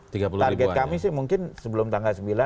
target kami sih mungkin sebelum tanggal sembilan